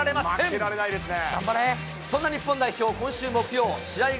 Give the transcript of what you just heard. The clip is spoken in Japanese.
負けられないですね。